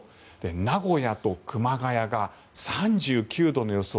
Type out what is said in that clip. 名古屋と熊谷が３９度の予想。